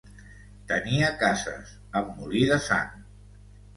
Tenia cases, amb molí de sang.